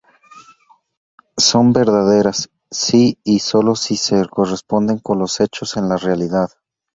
Son verdaderas si y solo si se corresponden con los hechos en la realidad.